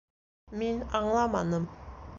Мин аңламаным.